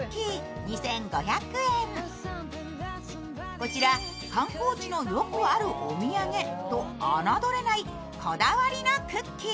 こちら、観光地のよくあるお土産と侮れないこだわりのクッキー。